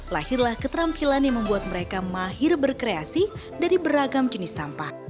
lahirlah keterampilan yang membuat mereka mahir berkreasi dari beragam jenis sampah